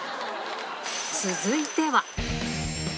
続いては。